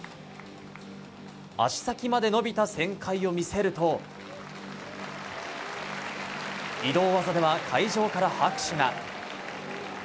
足先まで伸びた旋回を見せると移動技では会場から拍手が。